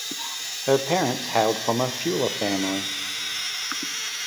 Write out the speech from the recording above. Her parents hailed from a Fula family.